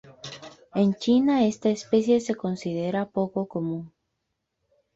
En China esta especie se considera poco común.